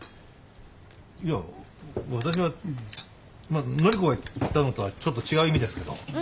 まあ典子が言ったのとはちょっと違う意味ですけど。